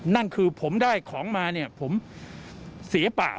นั่นคือผมได้ของมาเนี่ยผมเสียเปล่า